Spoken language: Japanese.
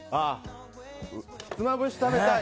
ひつまぶし食べたい。